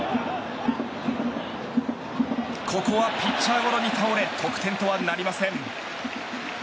ここはピッチャーゴロに倒れ得点とはなりません。